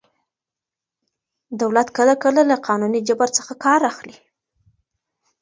دولت کله کله له قانوني جبر څخه کار اخلي.